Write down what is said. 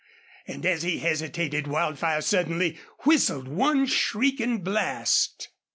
And as he hesitated Wildfire suddenly whistled one shrieking blast.